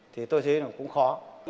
thì tôi thấy nó cũng khó